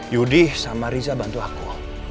yudi sama riza bantu aku